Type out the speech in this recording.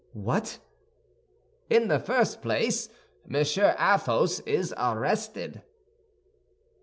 "What?" "In the first place, Monsieur Athos is arrested."